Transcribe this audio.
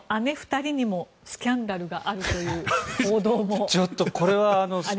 ２人にもスキャンダルがあるという報道もあります。